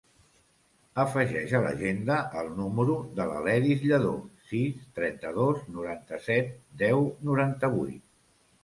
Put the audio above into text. Afegeix a l'agenda el número de l'Aledis Llado: sis, trenta-dos, noranta-set, deu, noranta-vuit.